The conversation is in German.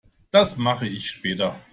Das mache ich später.